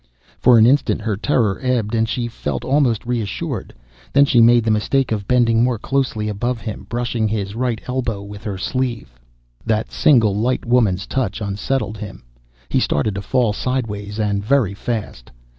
For an instant her terror ebbed and she felt almost reassured. Then she made the mistake of bending more closely above him, brushing his right elbow with her sleeve. That single light woman's touch unsettled him. He started to fall, sideways and very fast.